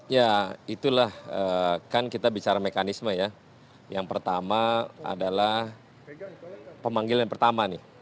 ya itulah kan kita bicara mekanisme ya yang pertama adalah pemanggilan pertama nih